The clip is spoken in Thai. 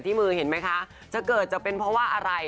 ที่มือเห็นไหมคะจะเกิดจะเป็นเพราะว่าอะไร